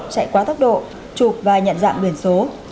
chạy quá tốc độ chụp và nhận dạng biển số